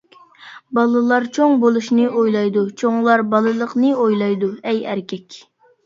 بالىلار چوڭ بولۇشنى ئويلايدۇ، چوڭلار بالىلىقىنى ئويلايدۇ. ئەي ئەركەك!